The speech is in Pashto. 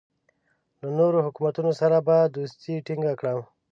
له نورو حکومتونو سره به دوستي ټینګه کړم.